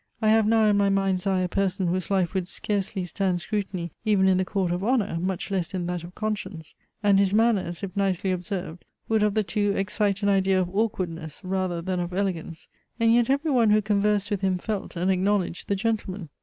I have now in my mind's eye a person whose life would scarcely stand scrutiny even in the court of honour, much less in that of conscience; and his manners, if nicely observed, would of the two excite an idea of awkwardness rather than of elegance: and yet every one who conversed with him felt and acknowledged the gentleman.